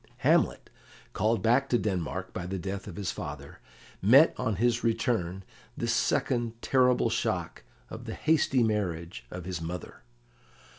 Hamlet, called back to Denmark by the death of his father, met on his return this second terrible shock of the hasty marriage of his mother.